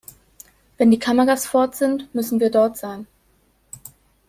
Wenn die Kameras fort sind, müssen wir dort sein.